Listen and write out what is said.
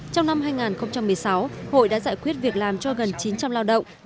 trong năm hai nghìn một mươi sáu hội đã giải quyết việc làm cho gần chín trăm linh lao động